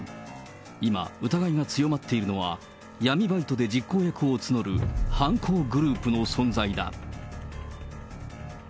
今、疑いが強まっているのが、闇バイトで実行役を募る犯行グループの存在だ。